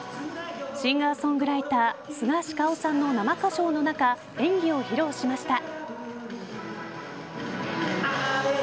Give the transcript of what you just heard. シンガーソングライタースガシカオさんの生歌唱の中演技を披露しました。